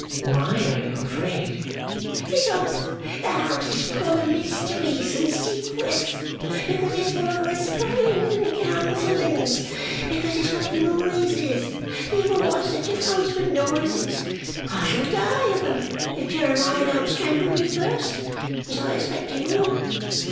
'Why are you afraid?' 'Because the house is full of mysteries and secrets; because it's full of whisperings and counsellings; because it's full of noises. There never was such a house for noises. I shall die of 'em, if Jeremiah don't strangle me first. As I expect he will.